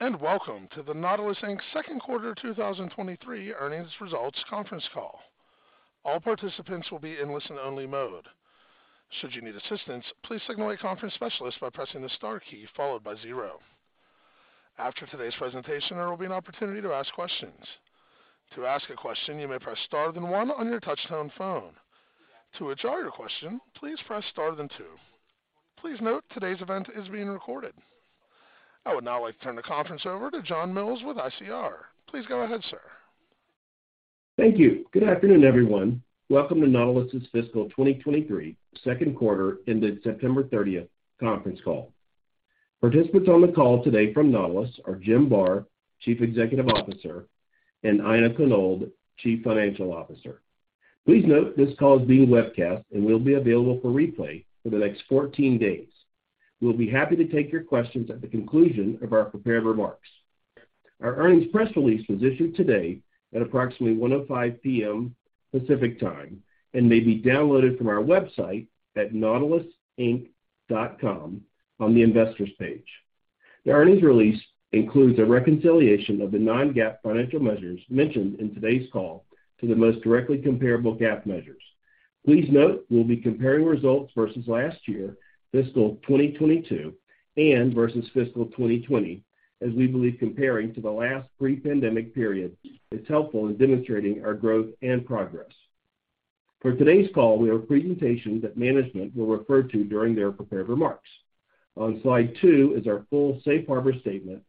Good day, and welcome to the Nautilus, Inc Second Quarter 2023 Earnings Results Conference Call. All participants will be in listen-only mode. Should you need assistance, please signal a conference specialist by pressing the star key followed by zero. After today's presentation, there will be an opportunity to ask questions. To ask a question, you may press star then one on your touchtone phone. To withdraw your question, please press star then two. Please note today's event is being recorded. I would now like to turn the conference over to John Mills with ICR. Please go ahead, sir. Thank you. Good afternoon, everyone. Welcome to Nautilus's fiscal 2023 Second Quarter Ended September 30 Conference Call. Participants on the call today from Nautilus are Jim Barr, Chief Executive Officer, and Aina Konold, Chief Financial Officer. Please note this call is being webcast and will be available for replay for the next 14 days. We'll be happy to take your questions at the conclusion of our prepared remarks. Our earnings press release was issued today at approximately 1:05 P.M. Pacific Time and may be downloaded from our website at nautilusinc.com on the Investors page. The earnings release includes a reconciliation of the non-GAAP financial measures mentioned in today's call to the most directly comparable GAAP measures. Please note we'll be comparing results versus last year, fiscal 2022, and versus fiscal 2020, as we believe comparing to the last pre-pandemic period is helpful in demonstrating our growth and progress. For today's call, we have a presentation that management will refer to during their prepared remarks. On slide 2 is our full safe harbor statement,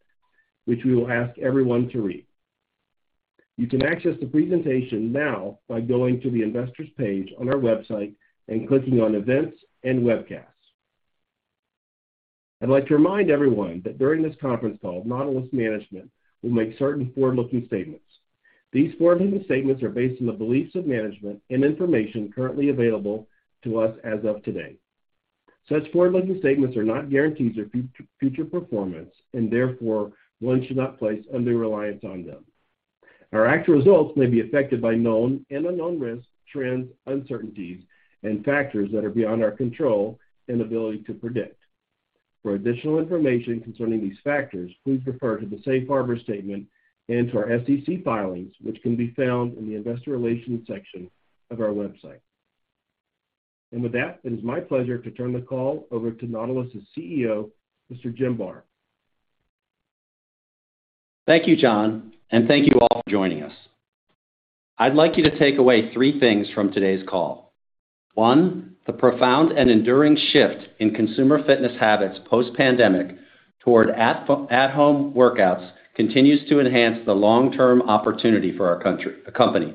which we will ask everyone to read. You can access the presentation now by going to the Investors page on our website and clicking on Events and Webcasts. I'd like to remind everyone that during this conference call, Nautilus management will make certain forward-looking statements. These forward-looking statements are based on the beliefs of management and information currently available to us as of today. Such forward-looking statements are not guarantees of future performance and therefore, one should not place undue reliance on them. Our actual results may be affected by known and unknown risks, trends, uncertainties, and factors that are beyond our control and ability to predict. For additional information concerning these factors, please refer to the safe harbor statement and to our SEC filings which can be found in the investor relations section of our website. With that, it is my pleasure to turn the call over to Nautilus's CEO, Mr. Jim Barr. Thank you, John, and thank you all for joining us. I'd like you to take away three things from today's call. One, the profound and enduring shift in consumer fitness habits post-pandemic toward at-home workouts continues to enhance the long-term opportunity for our company.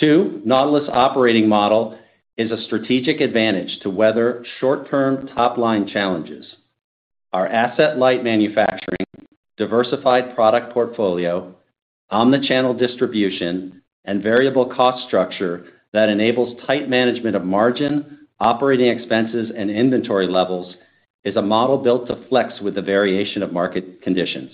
Two, Nautilus' operating model is a strategic advantage to weather short-term top-line challenges. Our asset-light manufacturing, diversified product portfolio, omni-channel distribution, and variable cost structure that enables tight management of margin, operating expenses, and inventory levels is a model built to flex with the variation of market conditions.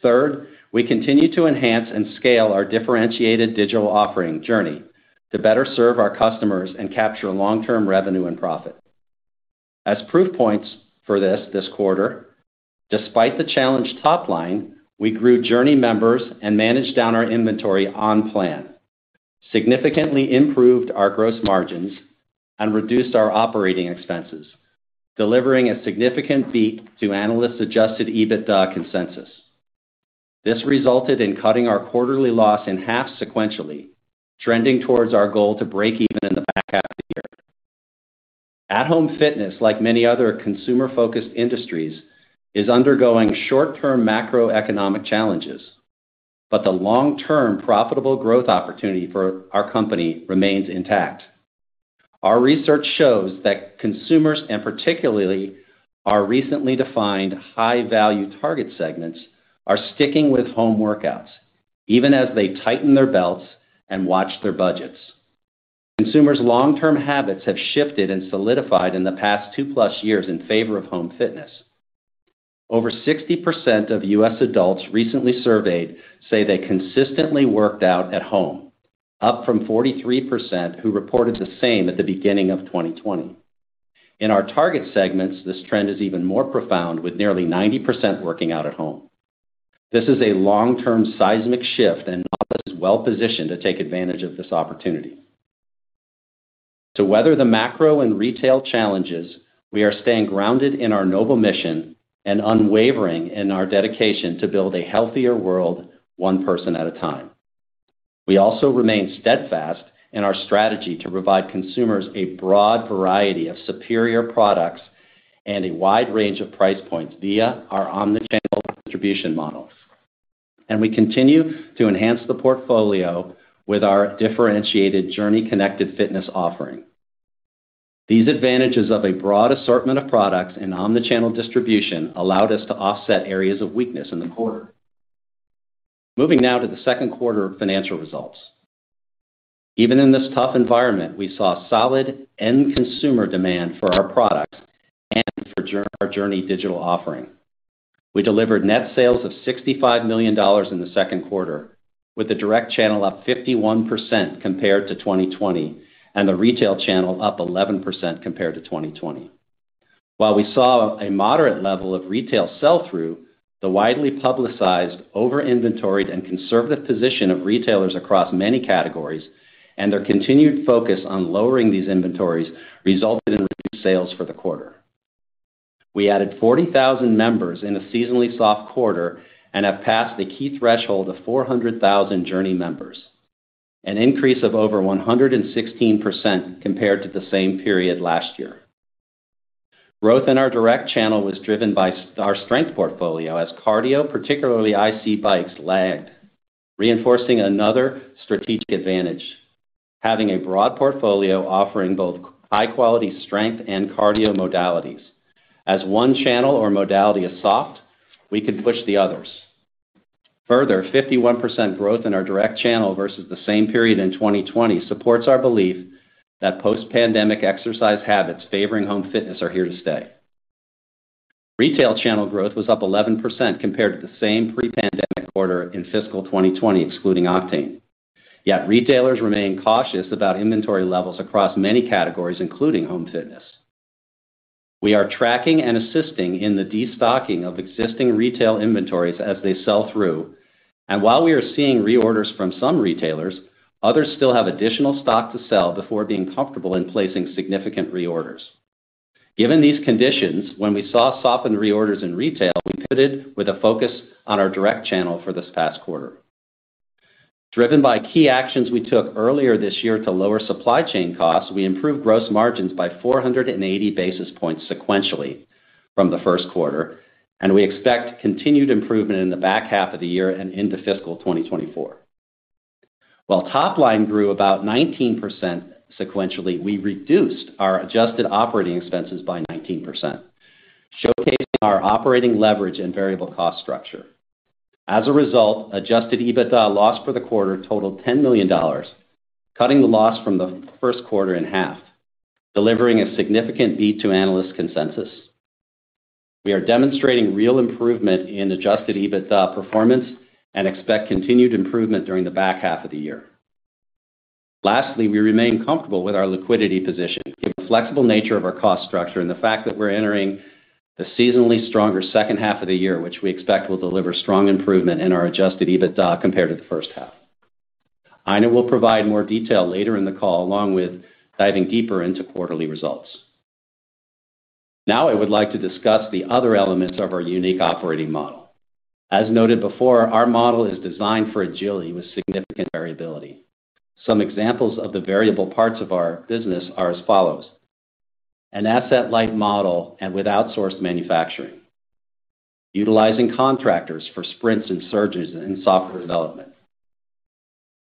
Third, we continue to enhance and scale our differentiated digital offering JRNY to better serve our customers and capture long-term revenue and profit. As proof points for this quarter, despite the challenged top line, we grew JRNY members and managed down our inventory on plan, significantly improved our gross margins and reduced our operating expenses, delivering a significant beat to analysts' Adjusted EBITDA consensus. This resulted in cutting our quarterly loss in half sequentially, trending towards our goal to break even in the back half of the year. At-home fitness, like many other consumer-focused industries, is undergoing short-term macroeconomic challenges, but the long-term profitable growth opportunity for our company remains intact. Our research shows that consumers, and particularly our recently defined high-value target segments, are sticking with home workouts even as they tighten their belts and watch their budgets. Consumers' long-term habits have shifted and solidified in the past two-plus years in favor of home fitness. Over 60% of U.S. adults recently surveyed say they consistently worked out at home, up from 43% who reported the same at the beginning of 2020. In our target segments, this trend is even more profound, with nearly 90% working out at home. This is a long-term seismic shift, and Nautilus is well-positioned to take advantage of this opportunity. To weather the macro and retail challenges, we are staying grounded in our noble mission and unwavering in our dedication to build a healthier world one person at a time. We also remain steadfast in our strategy to provide consumers a broad variety of superior products and a wide range of price points via our omni-channel distribution models. We continue to enhance the portfolio with our differentiated JRNY Connected Fitness offering. These advantages of a broad assortment of products and omni-channel distribution allowed us to offset areas of weakness in the quarter. Moving now to the second quarter financial results. Even in this tough environment, we saw solid end consumer demand for our products and for our JRNY digital offering. We delivered net sales of $65 million in the second quarter. With the direct channel up 51% compared to 2020, and the retail channel up 11% compared to 2020. While we saw a moderate level of retail sell-through, the widely publicized over inventoried and conservative position of retailers across many categories and their continued focus on lowering these inventories resulted in reduced sales for the quarter. We added 40,000 members in a seasonally soft quarter and have passed the key threshold of 400,000 JRNY members, an increase of over 116% compared to the same period last year. Growth in our direct channel was driven by our strength portfolio, as cardio, particularly IC bikes, lagged, reinforcing another strategic advantage, having a broad portfolio offering both high-quality strength and cardio modalities. As one channel or modality is soft, we can push the others. Further, 51% growth in our direct channel versus the same period in 2020 supports our belief that post-pandemic exercise habits favoring home fitness are here to stay. Retail channel growth was up 11% compared to the same pre-pandemic quarter in fiscal 2020, excluding Octane. Yet retailers remain cautious about inventory levels across many categories, including home fitness. We are tracking and assisting in the destocking of existing retail inventories as they sell through. While we are seeing reorders from some retailers, others still have additional stock to sell before being comfortable in placing significant reorders. Given these conditions, when we saw softened reorders in retail, we pivoted with a focus on our direct channel for this past quarter. Driven by key actions we took earlier this year to lower supply chain costs, we improved gross margins by 480 basis points sequentially from the first quarter, and we expect continued improvement in the back half of the year and into fiscal 2024. While top line grew about 19% sequentially, we reduced our adjusted operating expenses by 19%, showcasing our operating leverage and variable cost structure. As a result, Adjusted EBITDA loss for the quarter total $10 million, cutting the loss from the first quarter in half, delivering a significant beat to analyst consensus. We are demonstrating real improvement in Adjusted EBITDA performance and expect continued improvement during the back half of the year. Lastly, we remain comfortable with our liquidity position, given the flexible nature of our cost structure and the fact that we're entering the seasonally stronger second half of the year, which we expect will deliver strong improvement in our Adjusted EBITDA compared to the first half. Aina will provide more detail later in the call, along with diving deeper into quarterly results. Now I would like to discuss the other elements of our unique operating model. As noted before, our model is designed for agility with significant variability. Some examples of the variable parts of our business are as follows. An asset-light model with outsourced manufacturing. Utilizing contractors for sprints and surges in software development.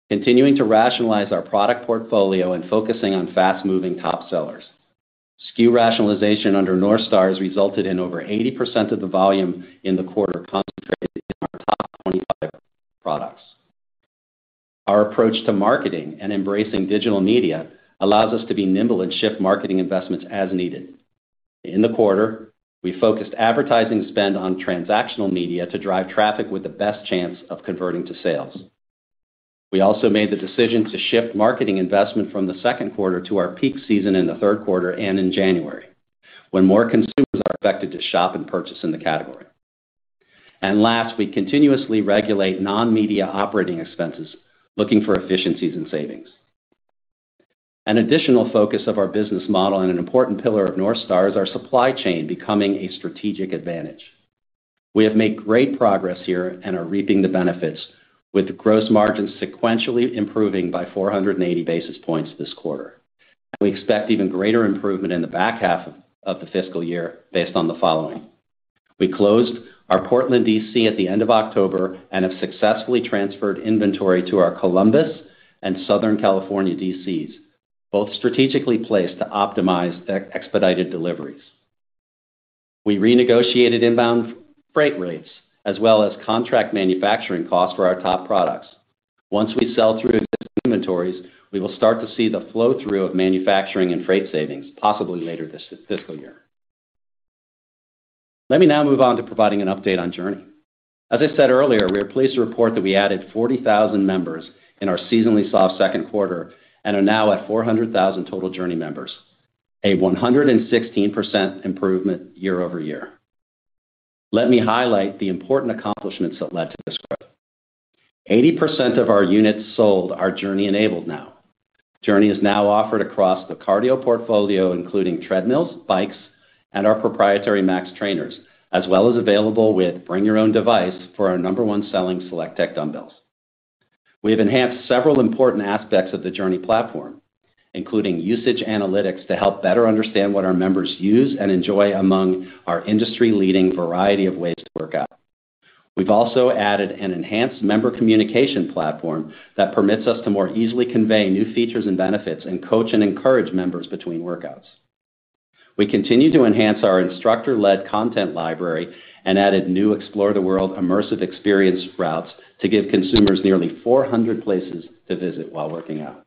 Continuing to rationalize our product portfolio and focusing on fast-moving top sellers. SKU rationalization under North Star has resulted in over 80% of the volume in the quarter concentrated in our top 25 products. Our approach to marketing and embracing digital media allows us to be nimble and shift marketing investments as needed. In the quarter, we focused advertising spend on transactional media to drive traffic with the best chance of converting to sales. We also made the decision to shift marketing investment from the second quarter to our peak season in the third quarter and in January, when more consumers are expected to shop and purchase in the category. Last, we continuously regulate non-media operating expenses, looking for efficiencies and savings. An additional focus of our business model and an important pillar of North Star is our supply chain becoming a strategic advantage. We have made great progress here and are reaping the benefits with gross margins sequentially improving by 480 basis points this quarter. We expect even greater improvement in the back half of the fiscal year based on the following. We closed our Portland DC at the end of October and have successfully transferred inventory to our Columbus and Southern California DCs, both strategically placed to optimize expedited deliveries. We renegotiated inbound freight rates as well as contract manufacturing costs for our top products. Once we sell through existing inventories, we will start to see the flow-through of manufacturing and freight savings, possibly later this fiscal year. Let me now move on to providing an update on JRNY. As I said earlier, we are pleased to report that we added 40,000 members in our seasonally soft second quarter and are now at 400,000 total JRNY members, a 116% improvement year-over-year. Let me highlight the important accomplishments that led to this growth. 80% of our units sold are JRNY-enabled now. JRNY is now offered across the cardio portfolio, including treadmills, bikes, and our proprietary Max Trainers, as well as available with Bring Your Own Device for our number one selling SelectTech dumbbells. We have enhanced several important aspects of the JRNY platform, including usage analytics to help better understand what our members use and enjoy among our industry-leading variety of ways to work out. We've also added an enhanced member communication platform that permits us to more easily convey new features and benefits and coach and encourage members between workouts. We continue to enhance our instructor-led content library and added new Explore the World immersive experience routes to give consumers nearly 400 places to visit while working out.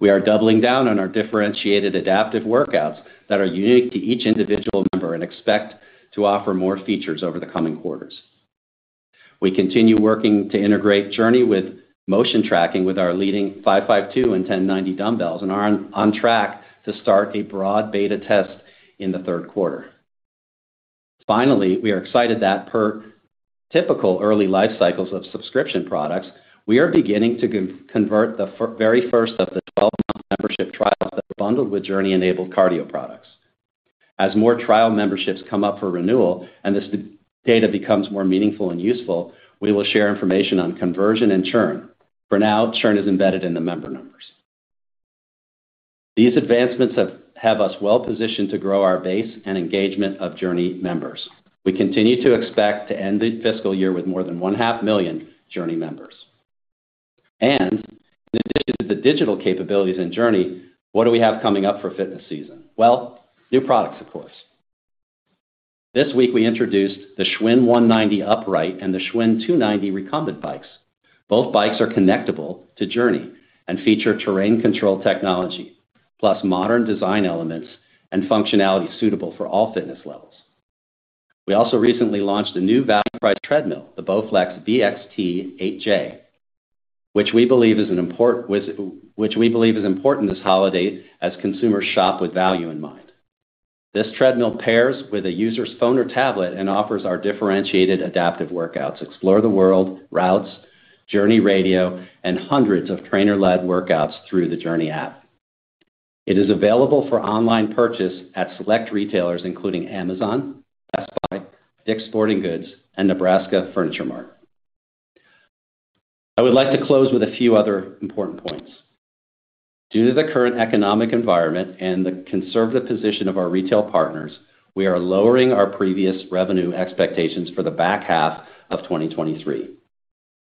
We are doubling down on our differentiated adaptive workouts that are unique to each individual member, and expect to offer more features over the coming quarters. We continue working to integrate JRNY with motion tracking with our leading 552 and 1090 dumbbells, and are on track to start a broad beta test in the third quarter. Finally, we are excited that per typical early life cycles of subscription products, we are beginning to convert the very first of the 12-month membership trials that bundled with JRNY-enabled cardio products. As more trial memberships come up for renewal and this data becomes more meaningful and useful, we will share information on conversion and churn. For now, churn is embedded in the member numbers. These advancements have us well positioned to grow our base and engagement of JRNY members. We continue to expect to end the fiscal year with more than one-half million JRNY members. In addition to the digital capabilities in JRNY, what do we have coming up for fitness season? Well, new products, of course. This week we introduced the Schwinn 190 upright and the Schwinn 290 recumbent bikes. Both bikes are connectable to JRNY and feature Terrain Control Technology, plus modern design elements and functionality suitable for all fitness levels. We also recently launched a new value-priced treadmill, the Bowflex BXT8J, which we believe is an important Which we believe is important this holiday as consumers shop with value in mind. This treadmill pairs with a user's phone or tablet and offers our differentiated adaptive workouts, Explore the World, Routes, JRNY Radio, and hundreds of trainer-led workouts through the JRNY app. It is available for online purchase at select retailers, including Amazon, Best Buy, Dick's Sporting Goods, and Nebraska Furniture Mart. I would like to close with a few other important points. Due to the current economic environment and the conservative position of our retail partners, we are lowering our previous revenue expectations for the back half of 2023.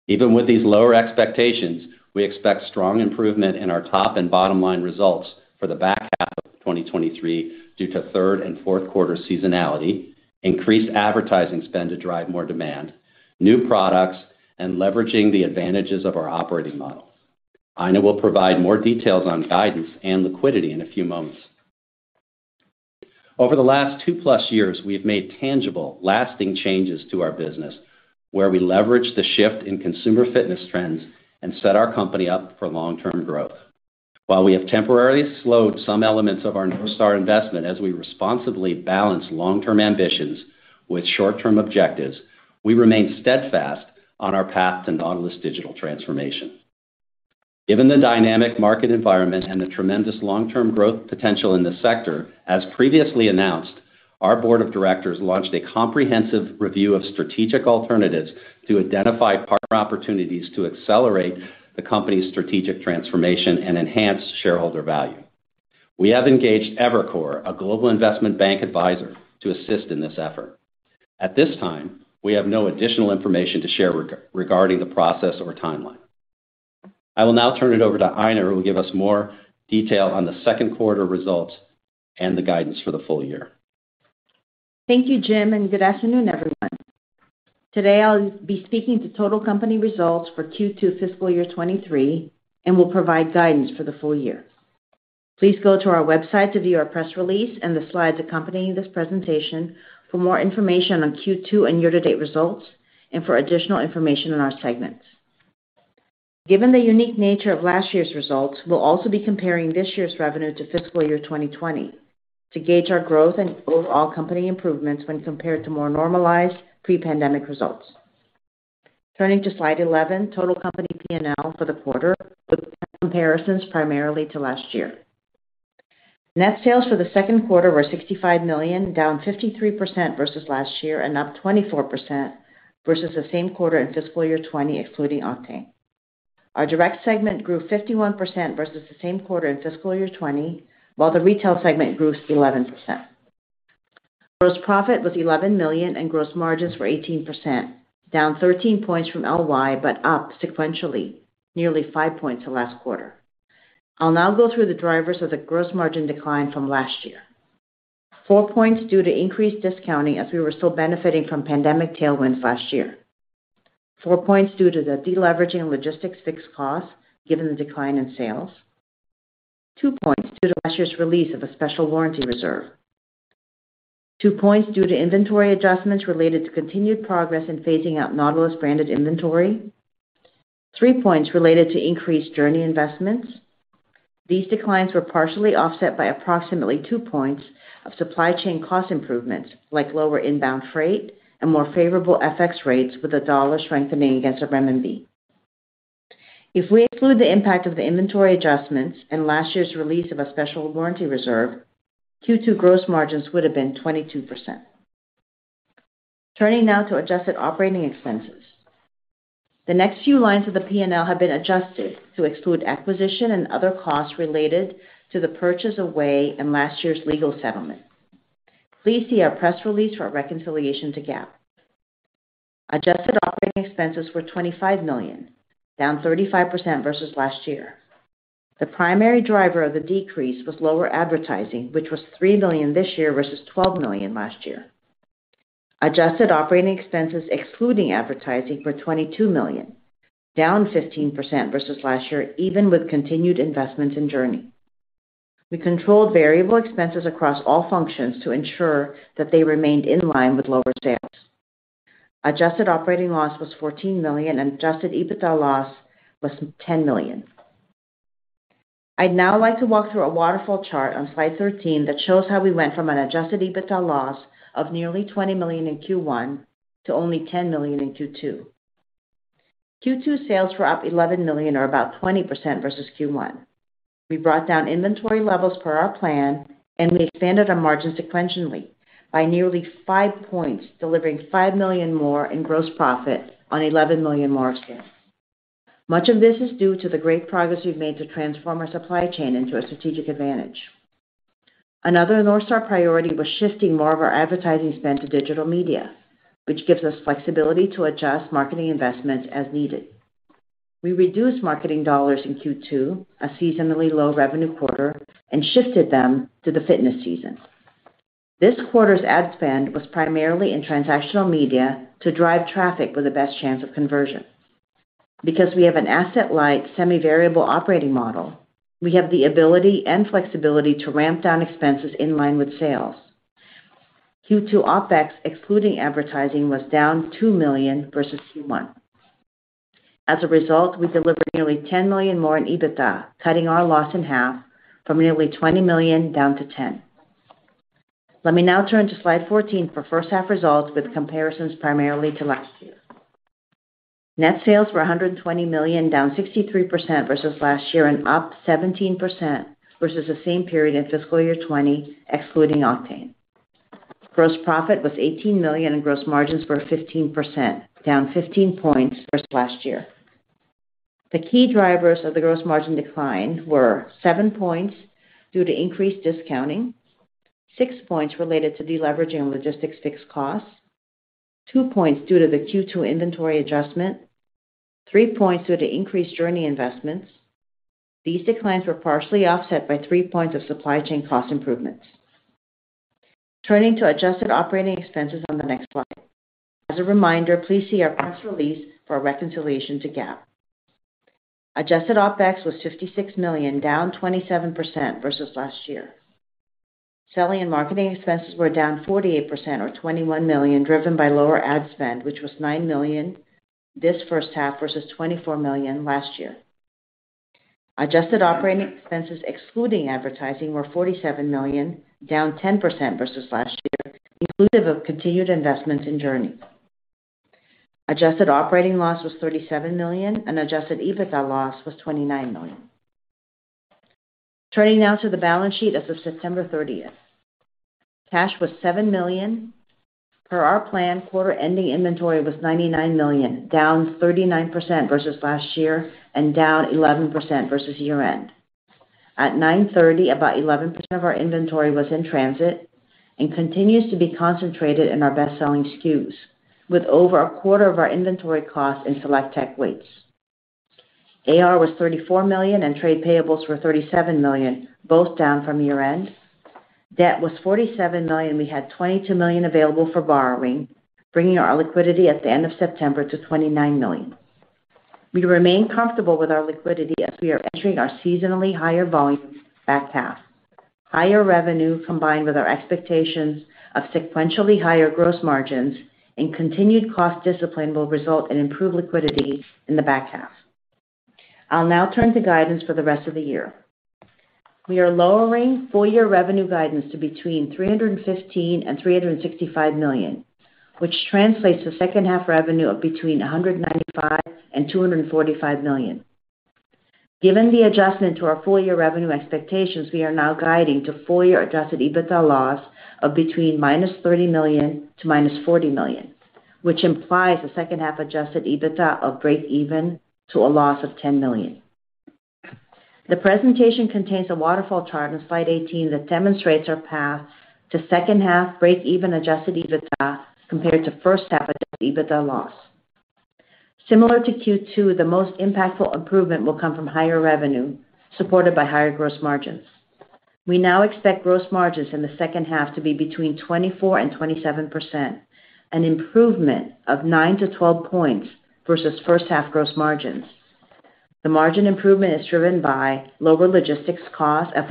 Even with these lower expectations, we expect strong improvement in our top and bottom line results for the back half of 2023 due to third and fourth quarter seasonality, increased advertising spend to drive more demand, new products, and leveraging the advantages of our operating model. Aina will provide more details on guidance and liquidity in a few moments. Over the last 2+ years, we have made tangible, lasting changes to our business, where we leverage the shift in consumer fitness trends and set our company up for long-term growth. While we have temporarily slowed some elements of our North Star investment as we responsibly balance long-term ambitions with short-term objectives, we remain steadfast on our path to Nautilus digital transformation. Given the dynamic market environment and the tremendous long-term growth potential in this sector, as previously announced, our board of directors launched a comprehensive review of strategic alternatives to identify partner opportunities to accelerate the company's strategic transformation and enhance shareholder value. We have engaged Evercore, a global investment bank advisor, to assist in this effort. At this time, we have no additional information to share regarding the process or timeline. I will now turn it over to Aina, who will give us more detail on the second quarter results and the guidance for the full year. Thank you, Jim, and good afternoon, everyone. Today, I'll be speaking to total company results for Q2 fiscal year 2023 and will provide guidance for the full year. Please go to our website to view our press release and the slides accompanying this presentation for more information on Q2 and year-to-date results and for additional information on our segments. Given the unique nature of last year's results, we'll also be comparing this year's revenue to fiscal year 2020 to gauge our growth and overall company improvements when compared to more normalized pre-pandemic results. Turning to slide 11, total company P&L for the quarter, with comparisons primarily to last year. Net sales for the second quarter were $65 million, down 53% versus last year and up 24% versus the same quarter in fiscal year 2020, excluding Octane. Our direct segment grew 51% versus the same quarter in fiscal year 2020, while the retail segment grew 11%. Gross profit was $11 million and gross margins were 18%, down 13 points from LY but up sequentially, nearly 5 points the last quarter. I'll now go through the drivers of the gross margin decline from last year. 4 points due to increased discounting as we were still benefiting from pandemic tailwinds last year. 4 points due to the deleveraging of logistics fixed costs given the decline in sales. 2 points due to last year's release of a special warranty reserve. 2 points due to inventory adjustments related to continued progress in phasing out Nautilus-branded inventory. 3 points related to increased JRNY investments. These declines were partially offset by approximately 2 points of supply chain cost improvements, like lower inbound freight and more favorable FX rates with the dollar strengthening against the RMB. If we exclude the impact of the inventory adjustments and last year's release of a special warranty reserve, Q2 gross margins would have been 22%. Turning now to adjusted operating expenses. The next few lines of the P&L have been adjusted to exclude acquisition and other costs related to the purchase of VAY and last year's legal settlement. Please see our press release for a reconciliation to GAAP. Adjusted operating expenses were $25 million, down 35% versus last year. The primary driver of the decrease was lower advertising, which was $3 million this year versus $12 million last year. Adjusted operating expenses excluding advertising were $22 million, down 15% versus last year, even with continued investments in JRNY. We controlled variable expenses across all functions to ensure that they remained in line with lower sales. Adjusted operating loss was $14 million, and Adjusted EBITDA loss was $10 million. I'd now like to walk through a waterfall chart on slide 13 that shows how we went from an Adjusted EBITDA loss of nearly $20 million in Q1 to only $10 million in Q2. Q2 sales were up $11 million or about 20% versus Q1. We brought down inventory levels per our plan, and we expanded our margin sequentially by nearly 5 points, delivering $5 million more in gross profit on $11 million more sales. Much of this is due to the great progress we've made to transform our supply chain into a strategic advantage. Another North Star priority was shifting more of our advertising spend to digital media, which gives us flexibility to adjust marketing investments as needed. We reduced marketing dollars in Q2, a seasonally low revenue quarter, and shifted them to the fitness season. This quarter's ad spend was primarily in transactional media to drive traffic with the best chance of conversion. Because we have an asset-light, semi-variable operating model, we have the ability and flexibility to ramp down expenses in line with sales. Q2 OpEx, excluding advertising, was down $2 million versus Q1. As a result, we delivered nearly $10 million more in EBITDA, cutting our loss in half from nearly $20 million down to $10 million. Let me now turn to slide 14 for first half results with comparisons primarily to last year. Net sales were $120 million, down 63% versus last year and up 17% versus the same period in fiscal year 2020, excluding Octane. Gross profit was $18 million and gross margins were 15%, down 15 points versus last year. The key drivers of the gross margin decline were 7 points due to increased discounting, 6 points related to deleveraging logistics fixed costs, 2 points due to the Q2 inventory adjustment, 3 points due to increased JRNY investments. These declines were partially offset by 3 points of supply chain cost improvements. Turning to adjusted operating expenses on the next slide. As a reminder, please see our press release for a reconciliation to GAAP. Adjusted OpEx was $56 million, down 27% versus last year. Selling and marketing expenses were down 48% or $21 million, driven by lower ad spend, which was $9 million this first half versus $24 million last year. Adjusted operating expenses excluding advertising were $47 million, down 10% versus last year, inclusive of continued investments in JRNY. Adjusted operating loss was $37 million and adjusted EBITDA loss was $29 million. Turning now to the balance sheet as of September 30. Cash was $7 million. Per our plan, quarter-ending inventory was $99 million, down 39% versus last year and down 11% versus year-end. At 9/30, about 11% of our inventory was in transit and continues to be concentrated in our best-selling SKUs, with over a quarter of our inventory costs in SelectTech weights. AR was $34 million, and trade payables were $37 million, both down from year-end. Debt was $47 million. We had $22 million available for borrowing, bringing our liquidity at the end of September to $29 million. We remain comfortable with our liquidity as we are entering our seasonally higher volume back half. Higher revenue, combined with our expectations of sequentially higher gross margins and continued cost discipline, will result in improved liquidity in the back half. I'll now turn to guidance for the rest of the year. We are lowering full-year revenue guidance to between $315 million and $365 million, which translates to second half revenue of between $195 million and $245 million. Given the adjustment to our full-year revenue expectations, we are now guiding to full-year Adjusted EBITDA loss of between -$30 million to -$40 million, which implies a second half Adjusted EBITDA of breakeven to a loss of $10 million. The presentation contains a waterfall chart on slide 18 that demonstrates our path to second half breakeven Adjusted EBITDA compared to first half Adjusted EBITDA loss. Similar to Q2, the most impactful improvement will come from higher revenue, supported by higher gross margins. We now expect gross margins in the second half to be between 24% and 27%, an improvement of 9-12 points versus first half gross margins. The margin improvement is driven by lower logistics costs as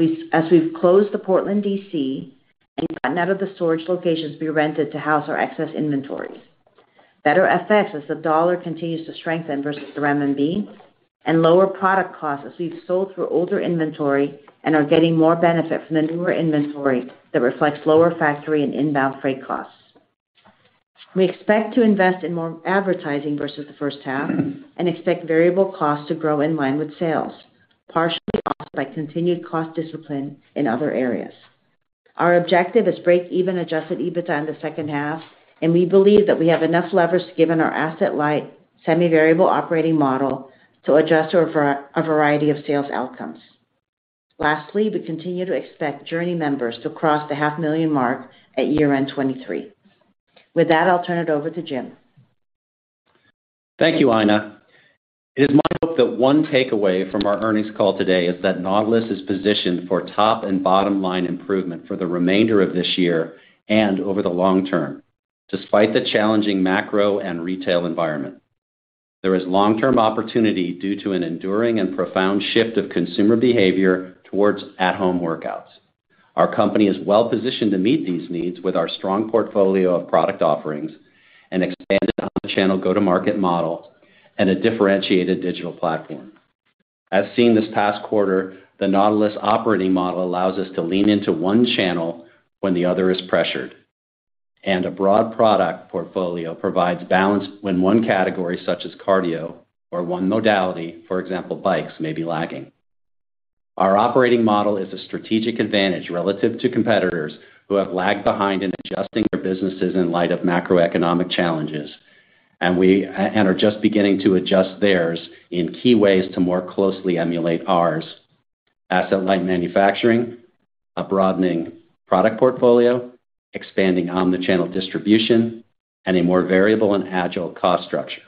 we've closed the Portland DC and gotten out of the storage locations we rented to house our excess inventories. Better FX as the dollar continues to strengthen versus the RMB, and lower product costs as we've sold through older inventory and are getting more benefit from the newer inventory that reflects lower factory and inbound freight costs. We expect to invest in more advertising versus the first half and expect variable costs to grow in line with sales, partially offset by continued cost discipline in other areas. Our objective is breakeven Adjusted EBITDA in the second half, and we believe that we have enough leverage given our asset-light, semi-variable operating model to adjust to a variety of sales outcomes. Lastly, we continue to expect JRNY members to cross the 500,000 mark at year-end 2023. With that, I'll turn it over to Jim. Thank you, Aina. It is my hope that one takeaway from our earnings call today is that Nautilus is positioned for top- and bottom-line improvement for the remainder of this year and over the long term, despite the challenging macro and retail environment. There is long-term opportunity due to an enduring and profound shift of consumer behavior towards at-home workouts. Our company is well positioned to meet these needs with our strong portfolio of product offerings, an expanded omnichannel go-to-market model, and a differentiated digital platform. As seen this past quarter, the Nautilus operating model allows us to lean into one channel when the other is pressured. A broad product portfolio provides balance when one category, such as cardio or one modality, for example, bikes, may be lacking. Our operating model is a strategic advantage relative to competitors who have lagged behind in adjusting their businesses in light of macroeconomic challenges, and we are just beginning to adjust theirs in key ways to more closely emulate ours, asset-light manufacturing, a broadening product portfolio, expanding omni-channel distribution, and a more variable and agile cost structure.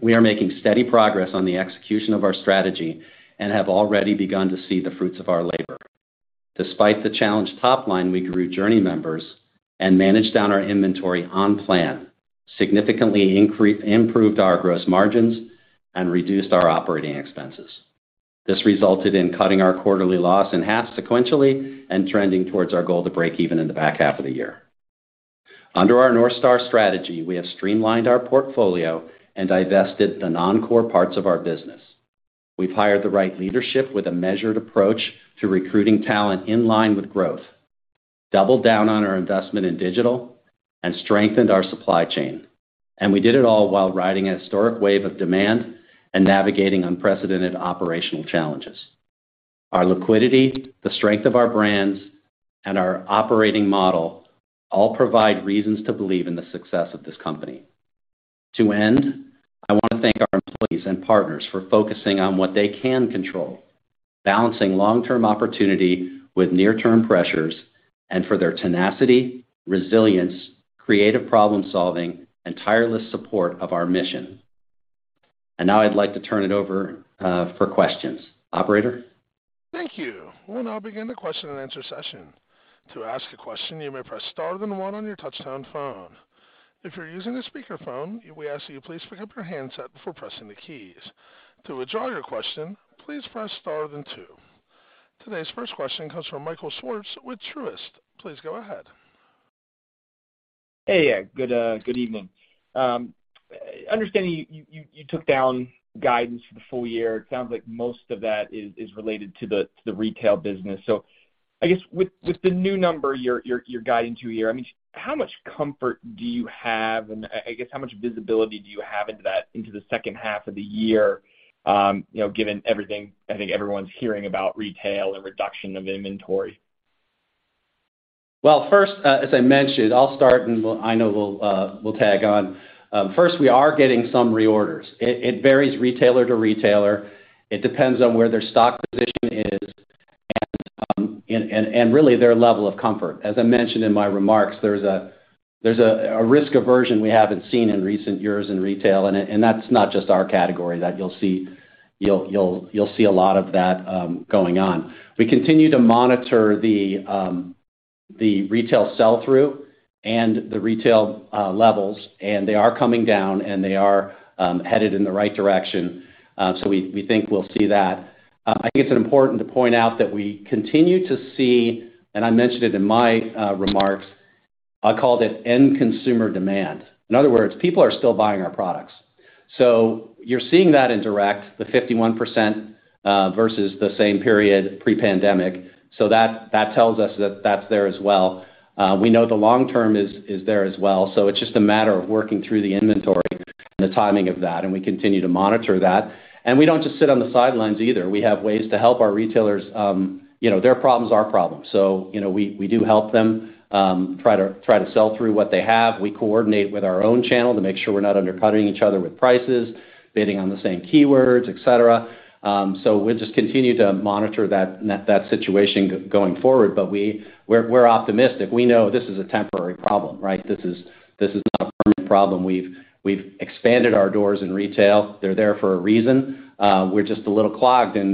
We are making steady progress on the execution of our strategy and have already begun to see the fruits of our labor. Despite the challenged top line, we grew JRNY members and managed down our inventory on plan, significantly improved our gross margins, and reduced our operating expenses. This resulted in cutting our quarterly loss in half sequentially and trending towards our goal to break even in the back half of the year. Under our North Star strategy, we have streamlined our portfolio and divested the non-core parts of our business. We've hired the right leadership with a measured approach to recruiting talent in line with growth, doubled down on our investment in digital, and strengthened our supply chain. We did it all while riding a historic wave of demand and navigating unprecedented operational challenges. Our liquidity, the strength of our brands, and our operating model all provide reasons to believe in the success of this company. To end, I want to thank our employees and partners for focusing on what they can control, balancing long-term opportunity with near-term pressures, and for their tenacity, resilience, creative problem-solving, and tireless support of our mission. Now I'd like to turn it over for questions. Operator? Thank you. We'll now begin the question-and-answer session. To ask a question, you may press star then one on your touchtone phone. If you're using a speakerphone, we ask that you please pick up your handset before pressing the keys. To withdraw your question, please press star then two. Today's first question comes from Michael Swartz with Truist. Please go ahead. Hey. Yeah. Good evening. I understand you took down guidance for the full year. It sounds like most of that is related to the retail business. I guess with the new number you're guiding to here, I mean, how much comfort do you have, and I guess how much visibility do you have into that, into the second half of the year, you know, given everything I think everyone's hearing about retail and reduction of inventory? Well, first, as I mentioned, I'll start, and Aina will tag on. First, we are getting some reorders. It varies retailer to retailer. It depends on where their stock position is and really their level of comfort. As I mentioned in my remarks, there's a risk aversion we haven't seen in recent years in retail, and that's not just our category that you'll see. You'll see a lot of that going on. We continue to monitor the retail sell-through and the retail levels, and they are coming down, and they are headed in the right direction. We think we'll see that. I think it's important to point out that we continue to see, and I mentioned it in my remarks, I called it end consumer demand. In other words, people are still buying our products. You're seeing that in direct, the 51%, versus the same period pre-pandemic. That tells us that that's there as well. We know the long term is there as well, so it's just a matter of working through the inventory and the timing of that, and we continue to monitor that. We don't just sit on the sidelines either. We have ways to help our retailers. You know, their problem is our problem. You know, we do help them try to sell through what they have. We coordinate with our own channel to make sure we're not undercutting each other with prices, bidding on the same keywords, et cetera. We'll just continue to monitor that situation going forward. We're optimistic. We know this is a temporary problem, right? This is not a permanent problem. We've expanded our doors in retail. They're there for a reason. We're just a little clogged in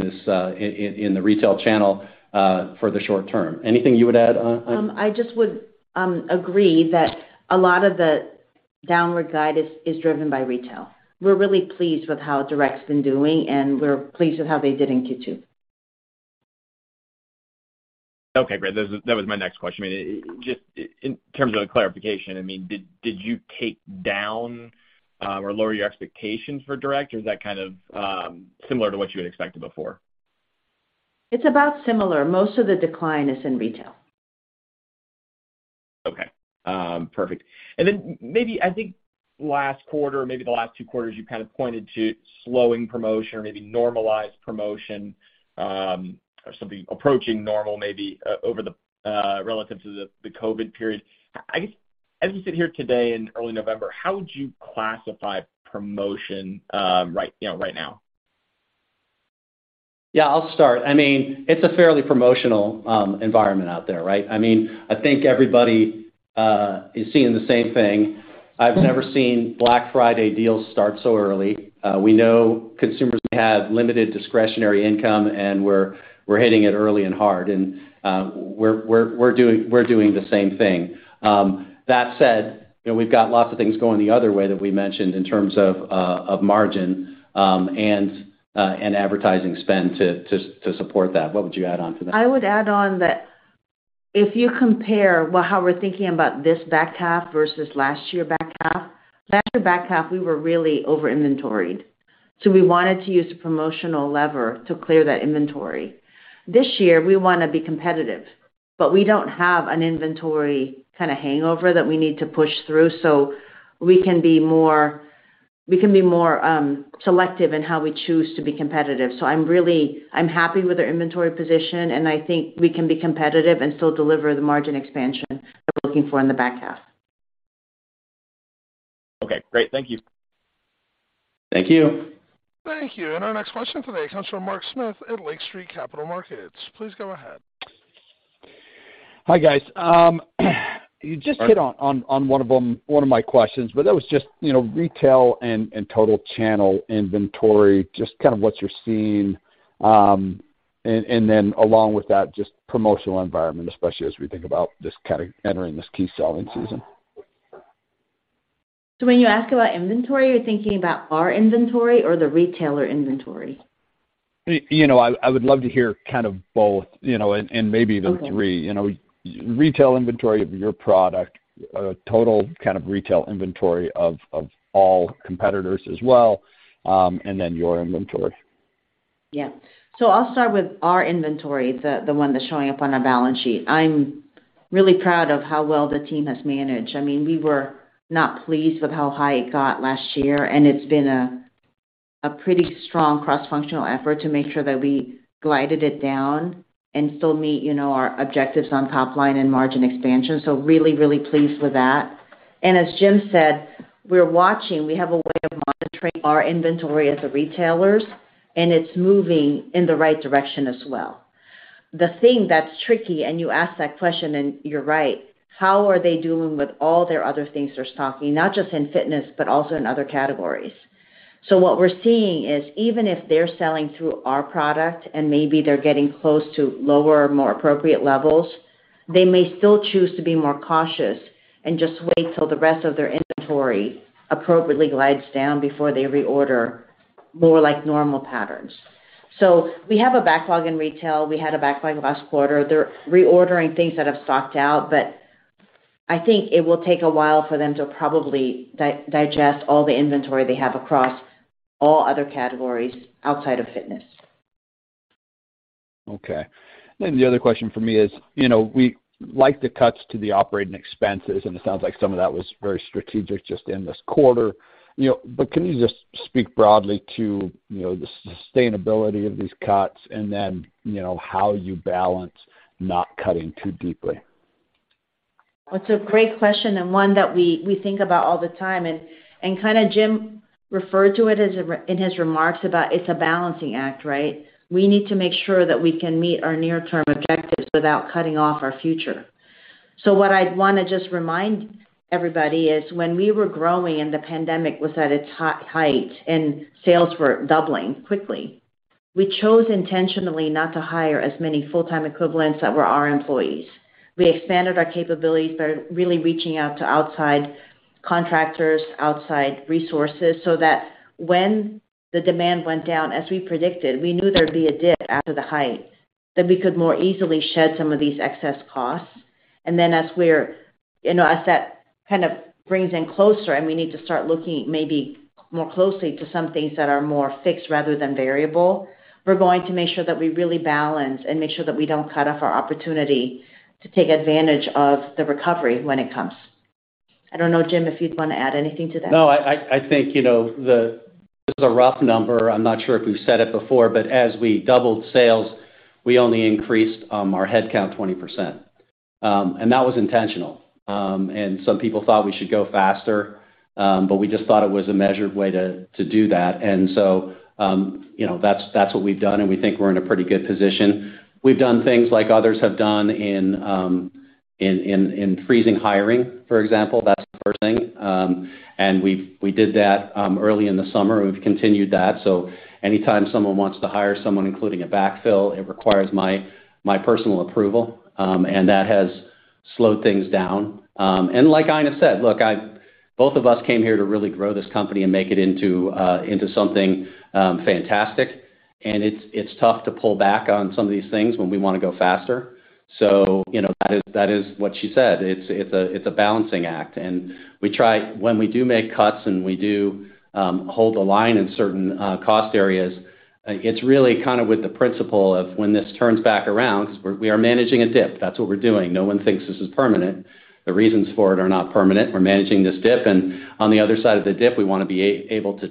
the retail channel for the short term. Anything you would add, Aina? I just would agree that a lot of the downward guide is driven by retail. We're really pleased with how direct's been doing, and we're pleased with how they did in Q2. Okay, great. That was my next question. I mean, just in terms of clarification, I mean, did you take down or lower your expectations for direct, or is that kind of similar to what you had expected before? It's about similar. Most of the decline is in retail. Okay. Perfect. Then maybe I think last quarter or maybe the last two quarters, you kind of pointed to slowing promotion or maybe normalized promotion, or something approaching normal maybe over the relative to the COVID period. I guess as we sit here today in early November, how would you classify promotion, right, you know, right now? Yeah, I'll start. I mean, it's a fairly promotional environment out there, right? I mean, I think everybody is seeing the same thing. I've never seen Black Friday deals start so early. We know consumers have limited discretionary income, and we're hitting it early and hard, and we're doing the same thing. That said, you know, we've got lots of things going the other way that we mentioned in terms of margin and advertising spend to support that. What would you add on to that? I would add on that if you compare how we're thinking about this back half versus last year back half, we were really over inventoried, so we wanted to use the promotional lever to clear that inventory. This year, we wanna be competitive, but we don't have an inventory kinda hangover that we need to push through, so we can be more selective in how we choose to be competitive. I'm really happy with our inventory position, and I think we can be competitive and still deliver the margin expansion we're looking for in the back half. Okay, great. Thank you. Thank you. Thank you. Our next question today comes from Mark Smith at Lake Street Capital Markets. Please go ahead. Hi, guys. Mark Hit on one of them, one of my questions, but that was just, you know, retail and total channel inventory, just kind of what you're seeing, and then along with that, just promotional environment, especially as we think about this category entering this key selling season. When you ask about inventory, you're thinking about our inventory or the retailer inventory? You know, I would love to hear kind of both, you know, and maybe. Okay the three. You know, retail inventory of your product, total kind of retail inventory of all competitors as well, and then your inventory. Yeah. I'll start with our inventory, the one that's showing up on our balance sheet. I'm really proud of how well the team has managed. I mean, we were not pleased with how high it got last year, and it's been a pretty strong cross-functional effort to make sure that we guided it down and still meet, you know, our objectives on top line and margin expansion. Really, really pleased with that. As Jim said, we're watching. We have a way of monitoring our inventory at the retailers, and it's moving in the right direction as well. The thing that's tricky, and you asked that question, and you're right, how are they doing with all their other things they're stocking, not just in fitness but also in other categories? What we're seeing is even if they're selling through our product and maybe they're getting close to lower, more appropriate levels, they may still choose to be more cautious and just wait till the rest of their inventory appropriately glides down before they reorder more like normal patterns. We have a backlog in retail. We had a backlog last quarter. They're reordering things that have stocked out, but I think it will take a while for them to probably digest all the inventory they have across all other categories outside of fitness. Okay. The other question from me is, you know, we like the cuts to the operating expenses, and it sounds like some of that was very strategic just in this quarter. You know, can you just speak broadly to, you know, the sustainability of these cuts and then, you know, how you balance not cutting too deeply? It's a great question and one that we think about all the time and kinda Jim referred to it in his remarks about it's a balancing act, right? We need to make sure that we can meet our near-term objectives without cutting off our future. What I'd wanna just remind everybody is when we were growing and the pandemic was at its height and sales were doubling quickly, we chose intentionally not to hire as many full-time equivalents that were our employees. We expanded our capabilities by really reaching out to outside contractors, outside resources, so that when the demand went down as we predicted, we knew there'd be a dip after the height, that we could more easily shed some of these excess costs. Then as we're. You know, as that kind of brings in closer and we need to start looking maybe more closely to some things that are more fixed rather than variable, we're going to make sure that we really balance and make sure that we don't cut off our opportunity to take advantage of the recovery when it comes. I don't know, Jim, if you'd wanna add anything to that? No. I think, you know, this is a rough number. I'm not sure if we've said it before, but as we doubled sales, we only increased our headcount 20%. That was intentional. Some people thought we should go faster, but we just thought it was a measured way to do that. You know, that's what we've done, and we think we're in a pretty good position. We've done things like others have done in freezing hiring, for example. That's the first thing. We did that early in the summer, and we've continued that. Anytime someone wants to hire someone, including a backfill, it requires my personal approval, and that has slowed things down. Like Aina said, look, both of us came here to really grow this company and make it into something fantastic. It's tough to pull back on some of these things when we wanna go faster. You know, that is what she said. It's a balancing act. We try. When we do make cuts and we do hold the line in certain cost areas, it's really kind of with the principle of when this turns back around, 'cause we are managing a dip. That's what we're doing. No one thinks this is permanent. The reasons for it are not permanent. We're managing this dip, and on the other side of the dip, we wanna be able to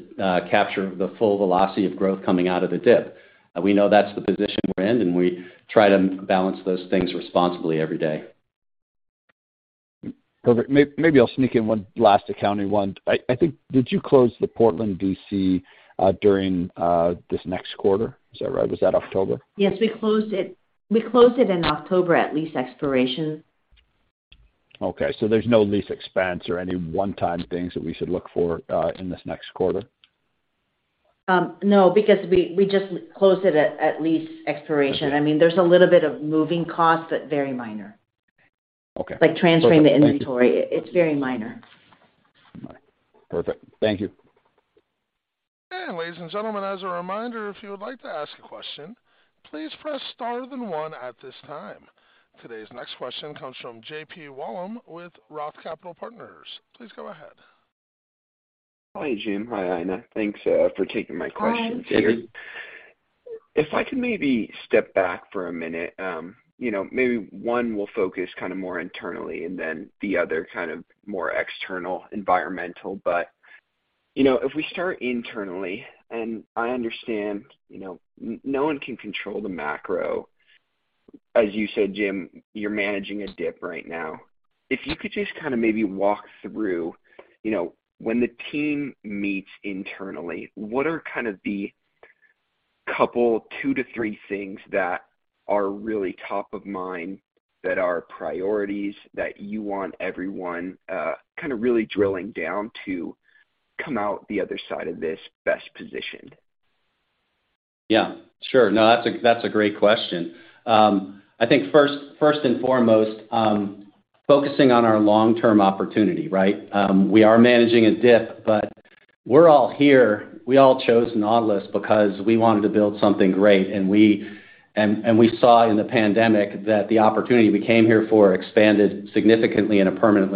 capture the full velocity of growth coming out of the dip. We know that's the position we're in, and we try to balance those things responsibly every day. Perfect. Maybe I'll sneak in one last accounting one. I think did you close the Portland DC during this next quarter? Is that right? Was that October? Yes. We closed it in October at lease expiration. Okay. There's no lease expense or any one-time things that we should look for in this next quarter? No, because we just closed it at lease expiration. Okay. I mean, there's a little bit of moving costs, but very minor. Okay. Like transferring the inventory. It's very minor. All right. Perfect. Thank you. Ladies and gentlemen, as a reminder, if you would like to ask a question, please press star then one at this time. Today's next question comes from JP Wollam with ROTH Capital Partners. Please go ahead. Hi, Jim. Hi, Aina. Thanks for taking my questions here. Hi. If I could maybe step back for a minute, you know, maybe one, we'll focus kind of more internally, and then the other kind of more external environmental. You know, if we start internally, and I understand, you know, no one can control the macro. As you said, Jim, you're managing a dip right now. If you could just kinda maybe walk through, you know, when the team meets internally, what are kind of the couple, two to three things that are really top of mind, that are priorities that you want everyone, kind of really drilling down to come out the other side of this best positioned? Yeah. Sure. No, that's a great question. I think first and foremost, focusing on our long-term opportunity, right? We are managing a dip, but we're all here. We all chose Nautilus because we wanted to build something great, and we saw in the pandemic that the opportunity we came here for expanded significantly in a permanent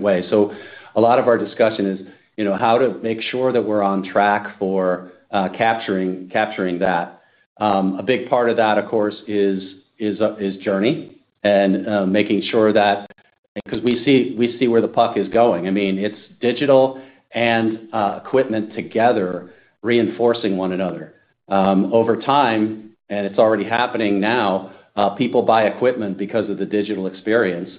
way. A lot of our discussion is, you know, how to make sure that we're on track for capturing that. A big part of that, of course, is JRNY and making sure that because we see where the puck is going. I mean, it's digital and equipment together reinforcing one another. Over time, it's already happening now, people buy equipment because of the digital experience,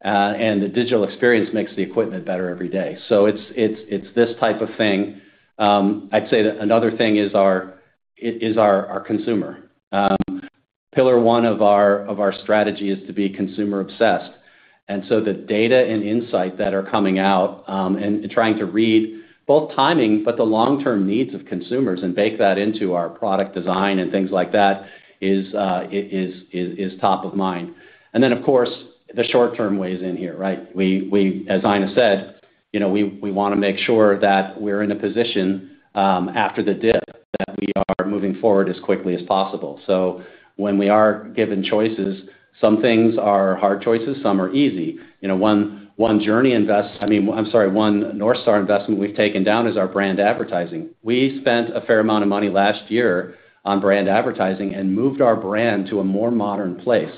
and the digital experience makes the equipment better every day. It's this type of thing. I'd say another thing is our consumer. Pillar one of our strategy is to be consumer obsessed. The data and insight that are coming out, and trying to read both timing, but the long-term needs of consumers and bake that into our product design and things like that is top of mind. Then, of course, the short-term weighs in here, right? As Aina said, you know, we wanna make sure that we're in a position, after the dip, that we are moving forward as quickly as possible. When we are given choices, some things are hard choices, some are easy. You know, one North Star investment we've taken down is our brand advertising. We spent a fair amount of money last year on brand advertising and moved our brand to a more modern place.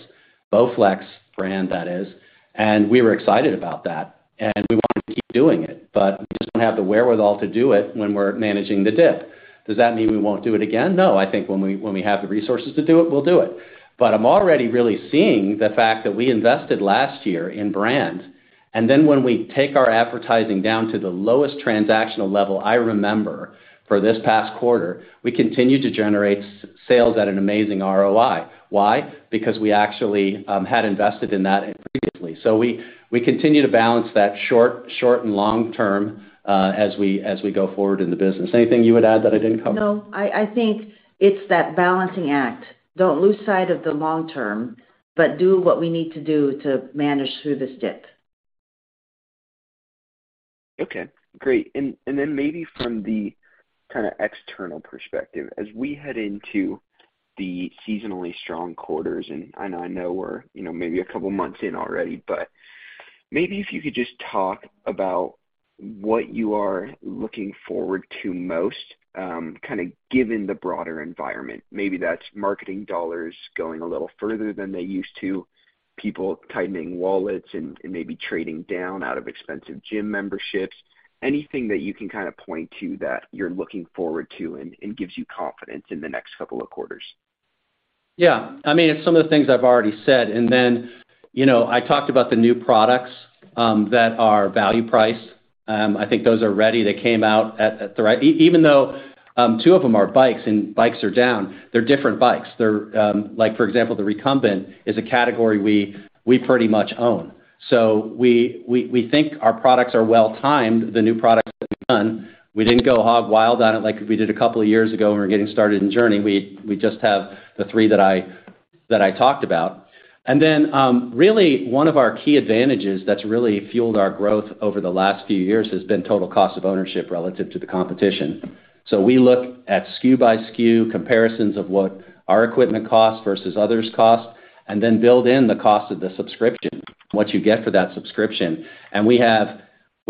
Nautilus brand, that is. We were excited about that, and we wanna keep doing it, but we just don't have the wherewithal to do it when we're managing the dip. Does that mean we won't do it again? No. I think when we have the resources to do it, we'll do it. I'm already really seeing the fact that we invested last year in brand, and then when we take our advertising down to the lowest transactional level I remember for this past quarter, we continued to generate sales at an amazing ROI. Why? Because we actually had invested in that previously. We continue to balance that short- and long-term as we go forward in the business. Anything you would add that I didn't cover? No. I think it's that balancing act. Don't lose sight of the long-term, but do what we need to do to manage through this dip. Okay. Great. Then maybe from the kinda external perspective, as we head into the seasonally strong quarters, and Aina, I know we're, you know, maybe a couple months in already, but maybe if you could just talk about what you are looking forward to most, kinda given the broader environment. Maybe that's marketing dollars going a little further than they used to, people tightening wallets and maybe trading down out of expensive gym memberships. Anything that you can kind of point to that you're looking forward to and gives you confidence in the next couple of quarters. Yeah. I mean, it's some of the things I've already said. You know, I talked about the new products that are value priced. I think those are ready. They came out at the right even though two of them are bikes and bikes are down, they're different bikes. They're like, for example, the recumbent is a category we pretty much own. So we think our products are well-timed, the new products we've done. We didn't go hog wild on it like we did a couple of years ago when we were getting started in JRNY. We just have the three that I talked about. Really one of our key advantages that's really fueled our growth over the last few years has been total cost of ownership relative to the competition. We look at SKU by SKU comparisons of what our equipment costs versus others' costs, and then build in the cost of the subscription, what you get for that subscription. We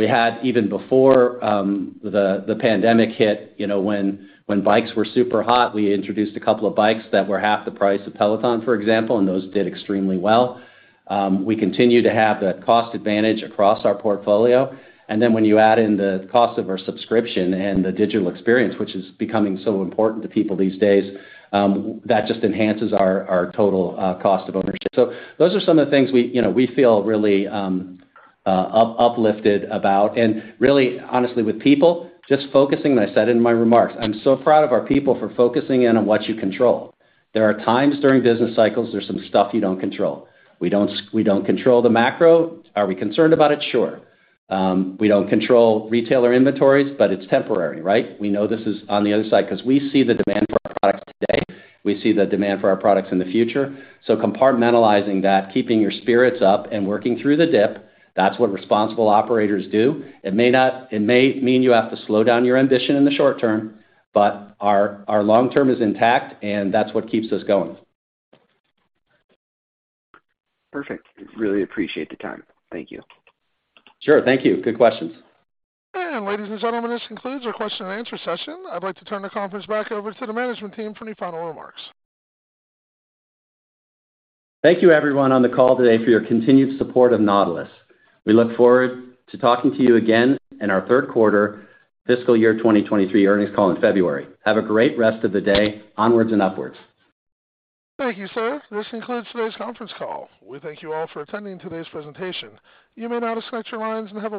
had even before the pandemic hit, you know, when bikes were super hot, we introduced a couple of bikes that were half the price of Peloton, for example, and those did extremely well. We continue to have that cost advantage across our portfolio. Then when you add in the cost of our subscription and the digital experience, which is becoming so important to people these days, that just enhances our total cost of ownership. Those are some of the things we, you know, we feel really uplifted about. Really honestly, with people, just focusing, and I said in my remarks, I'm so proud of our people for focusing in on what you control. There are times during business cycles, there's some stuff you don't control. We don't control the macro. Are we concerned about it? Sure. We don't control retailer inventories, but it's temporary, right? We know this is on the other side 'cause we see the demand for our products today, we see the demand for our products in the future. So compartmentalizing that, keeping your spirits up and working through the dip, that's what responsible operators do. It may mean you have to slow down your ambition in the short term, but our long term is intact, and that's what keeps us going. Perfect. Really appreciate the time. Thank you. Sure. Thank you. Good questions. Ladies and gentlemen, this concludes our question and answer session. I'd like to turn the conference back over to the management team for any final remarks. Thank you everyone on the call today for your continued support of Nautilus. We look forward to talking to you again in our third quarter fiscal year 2023 earnings call in February. Have a great rest of the day. Onwards and upwards. Thank you, sir. This concludes today's conference call. We thank you all for attending today's presentation. You may now disconnect your lines and have